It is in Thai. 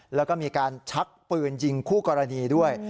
แล้วก็มีการชักปืนยิงคู่กรณีด้วย